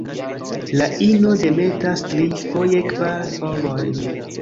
La ino demetas tri, foje kvar, ovojn.